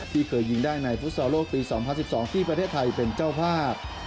ที่เคยยิงได้ในฟุตซอลโลกปี๒๐๑๒ที่ประเทศไทยเป็นเจ้าภาพ